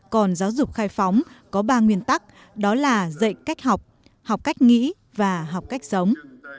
còn giáo dục khai phóng có ba nguyên tắc đó là dạy cách học học cách nghĩ và học cách sống